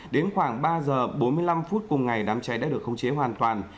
đến khoảng ba giờ bốn mươi năm phút cùng ngày đám cháy đã được khống chế hoàn toàn